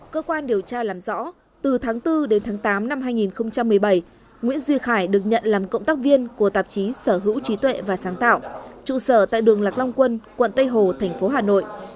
cơ quan điều tra làm rõ từ tháng bốn đến tháng tám năm hai nghìn một mươi bảy nguyễn duy khải được nhận làm cộng tác viên của tạp chí sở hữu trí tuệ và sáng tạo trụ sở tại đường lạc long quân quận tây hồ thành phố hà nội